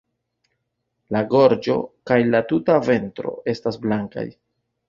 La gorĝo kaj la tuta ventro estas blankaj.